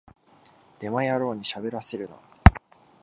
デマ野郎にしゃべらせるな